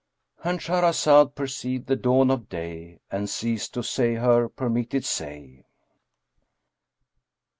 "—And Shahrazad perceived the dawn of day and ceased to say her permitted say.